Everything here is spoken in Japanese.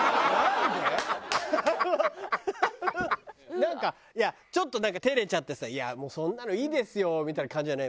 なんかちょっとなんか照れちゃってさもうそんなのいいですよみたいな感じじゃない。